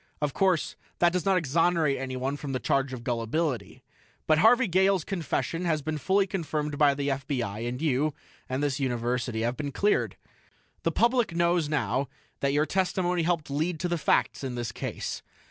"Of course, that does not exonerate anyone from the charge of gullibility. But Harvey Gale's confession has been fully confirmed by the FBI, and you and this University have been cleared. The public knows now that your testimony helped lead to the facts in the case.